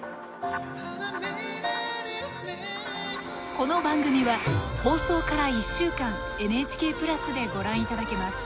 この番組は放送から１週間ＮＨＫプラスでご覧いただけます。